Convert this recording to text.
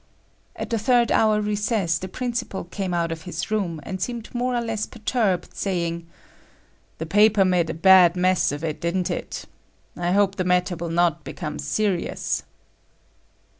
At the third hour recess the principal came out of his room, and seemed more or less perturbed, saying, "The paper made a bad mess of it, didn't it? I hope the matter will not become serious."